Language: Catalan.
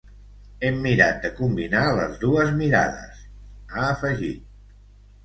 Hem mirat de combinar les dues mirades, ha afegit.